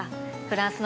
フランス！？